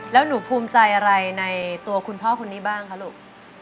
แล้วหนูภูมิใจอะไรในตัวคุณพ่อคนนี้บ้างคะลูก